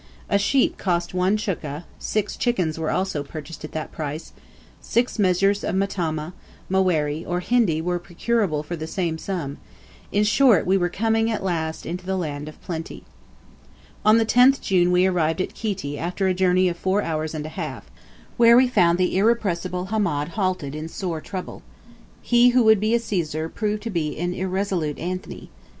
A sheep cost one chukka; six chickens were also purchased at that price; six measures of matama, maweri, or hindi, were procurable for the same sum; in short, we were coming, at last, into the land of plenty. On the 10th June we arrived at Kiti after a journey of four hours and a half, where we found the irrepressible Hamed halted in sore trouble. He who would be a Caesar, proved to be an irresolute Antony.